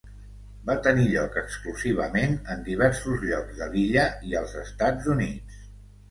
Va tenir lloc exclusivament en diversos llocs de l'illa i als Estats Units.